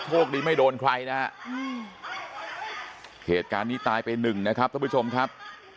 โชคดีไม่โดนใครนะฮะเหตุการณ์นี้ตายไปหนึ่งนะครับท่านผู้ชมครับ